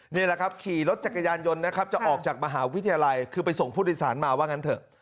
นี่แหละครับขี่รถจักรยานยนต์นะครับจะออกจากมหาวิทยาลัยคือไปส่งผู้โดยสารมาว่างั้นเถอะ